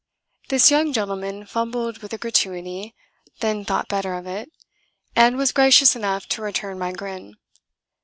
This young gentleman fumbled with a gratuity, then thought better of it and was gracious enough to return my grin.